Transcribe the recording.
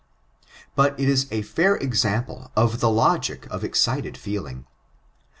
Bat it is a fair sample of the logic of excited fbeling.